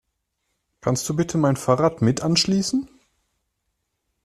Kannst du bitte mein Fahrrad mit anschließen?